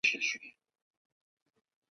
وارد شوي توکي باید مطمین وي.